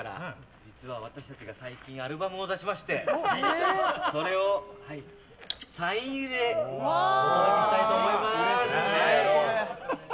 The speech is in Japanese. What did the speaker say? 実は私たちが最近アルバムを出しましてそれをサイン入りで渡したいと思います。